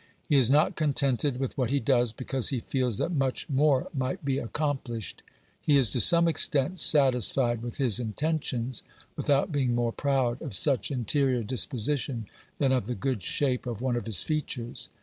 He is not contented with what he does, because he feels that much more might be accomplished ; he is to some extent satisfied with his intentions, without being more proud of such interior disposition than of the good shape of one of his features.